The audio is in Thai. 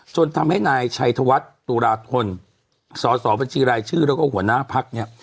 จนทำให้นายชัยธวัฒน์ตุราธนสอสอบัญชีรายชื่อแล้วก็หัวหน้าพักเนี่ย